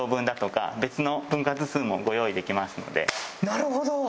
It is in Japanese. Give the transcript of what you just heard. なるほど！